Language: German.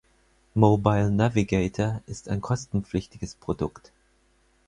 Mobile Navigator ist ein kostenpflichtiges Produkt.